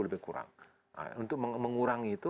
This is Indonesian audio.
lebih kurang untuk mengurangi itu